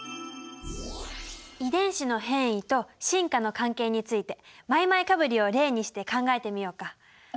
遺伝子の変異と進化の関係についてマイマイカブリを例にして考えてみようか。